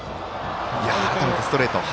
改めてストレート。